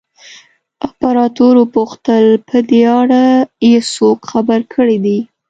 امپراتور وپوښتل په دې اړه یې څوک خبر کړي دي.